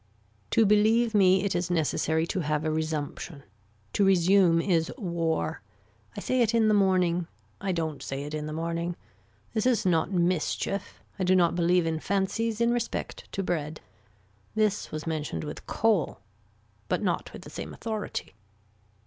To believe me it is necessary to have a resumption. To resume is war. I say it in the morning. I don't say it in the morning. This is not mischief. I do not believe in fancies in respect to bread. This was mentioned with coal. But not with the same authority.